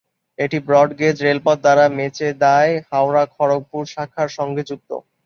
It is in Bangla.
এটি ব্রডগেজ রেলপথ দ্বারা মেচেদায় হাওড়া-খড়গপুর শাখার সঙ্গে যুক্ত।